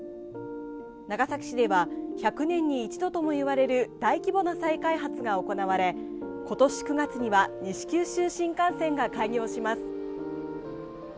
長崎市では１００年に１度とも言われる大規模な再開発が行われことし９月には西九州新幹線が開業します。